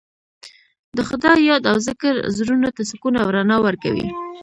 د خدای یاد او ذکر زړونو ته سکون او رڼا ورکوي.